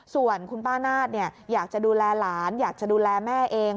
ส่วนคุณป้านาฏอยากจะดูแลหลานอยากจะดูแลแม่เอง